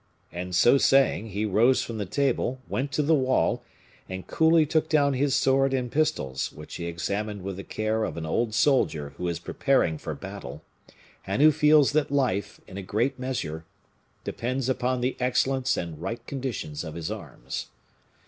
And so saying, he rose from the table, went to the wall, and coolly took down his sword and pistols, which he examined with the care of an old soldier who is preparing for battle, and who feels that life, in a great measure, depends upon the excellence and right conditions of his arms.